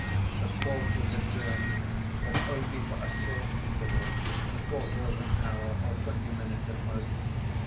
The court was adjourned, but only for a short interval, a quarter of an hour or twenty minutes at most.